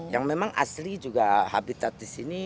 yang memang asli juga habitat disini